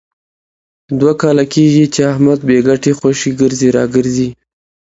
دوه کاله کېږي، چې احمد بې ګټې خوشې ګرځي را ګرځي.